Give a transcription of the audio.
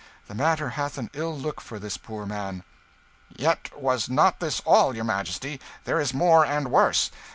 The matter hath an ill look for this poor man." "Yet was not this all, your Majesty; there is more and worse.